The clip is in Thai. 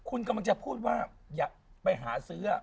คุณกำลังจะพูดว่าอย่าไปหาซื้อ